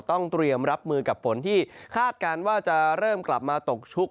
ต้องเตรียมรับมือกับฝนที่คาดการณ์ว่าจะเริ่มกลับมาตกชุก